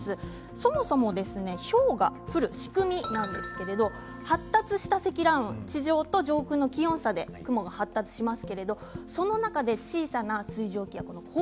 そもそもひょうが降る仕組みなんですが発達した積乱雲地上と上空の気温差で発達します。